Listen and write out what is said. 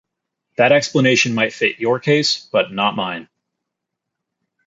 That explanation might fit your case, but not mine.